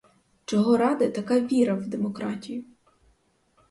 Чого ради така віра в демократію?